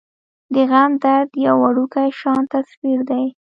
د غم درد يو وړوکے شان تصوير دے ۔